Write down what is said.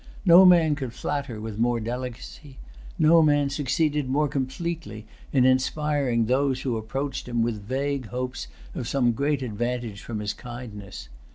No man could flatter with more delicacy. No man succeeded more completely in inspiring those who approached him with vague hopes of some great advantage from his kindness.